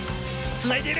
つないでいる。